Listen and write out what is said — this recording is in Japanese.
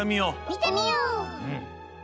みてみよう！